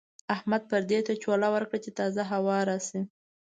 احمد پردې ته چوله ورکړه چې تازه هوا راشي.